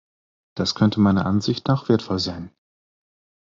Das könnte meiner Ansicht nach wertvoll sein.